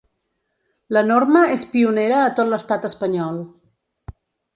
La norma és pionera a tot l'Estat Espanyol.